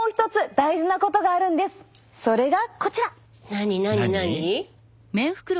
何何何？